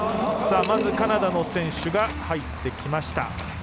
まず、カナダの選手が入ってきました。